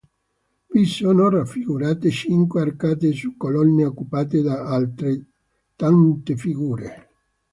Vi sono raffigurate cinque arcate su colonne occupate da altrettante figure.